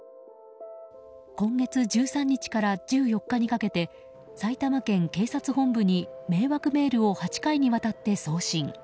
今月１３日から１４日にかけて埼玉県警察本部に迷惑メールを８回にわたって送信。